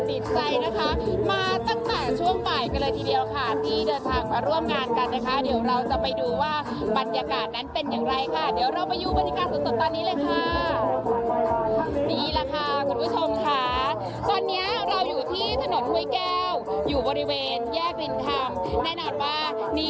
เพราะว่าที่นี่แม้ว่าการตลาดจอดก็ติดแต่ว่า